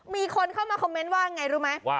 มีคนเข้ามาคอมเมนต์ว่าไงรู้ไหม